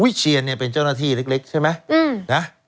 วิเชียงเป็นเจ้าหน้าที่เล็กใช่ไหม